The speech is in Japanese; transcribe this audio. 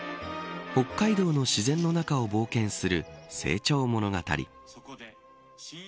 北海道の自然の中を冒険する成長物語。